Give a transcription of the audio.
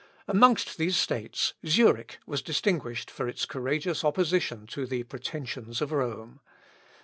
Amongst these states, Zurich was distinguished for its courageous opposition to the pretensions of Rome.